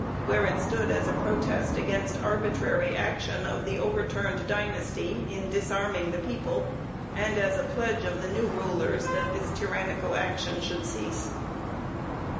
. where it stood as a protest against arbitrary action of the overturned dynasty in disarm ing the people, and as a pledge of the new rulers that this tyrannical action should cease."